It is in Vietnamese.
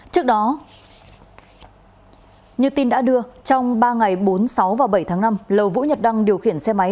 trước đó như tin đã đưa trong ba ngày bốn sáu và bảy tháng năm lầu vũ nhật đăng điều khiển xe máy